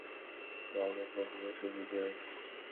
মা গঙ্গা ক্রমশই বুজে আসছেন।